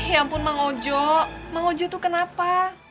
ya ampun bang ojo bang ojo tuh kenapa